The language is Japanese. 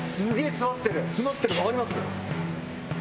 詰まってるのわかります。